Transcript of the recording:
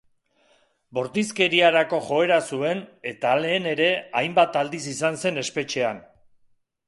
Bortizkeriarako joera zuen eta lehen ere hainbat aldiz izan zen espetxean.